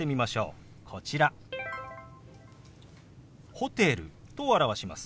「ホテル」と表します。